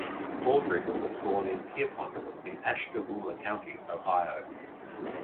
Aldrich was born in Pierpont in Ashtabula County, Ohio.